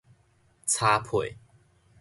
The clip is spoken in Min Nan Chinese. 柴杮